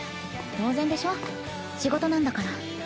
当然でしょ仕事なんだから。